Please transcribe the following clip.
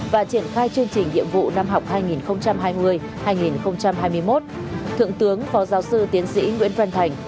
và triển khai chương trình nhiệm vụ năm học hai nghìn hai mươi hai nghìn hai mươi một thượng tướng phó giáo sư tiến sĩ nguyễn văn thành